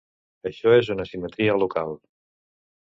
Això és una simetria local.